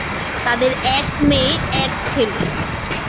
তাদের এক মেয়ে, এক ছেলে।